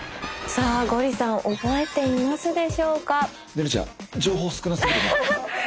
さあゴリさん覚えていますでしょうか？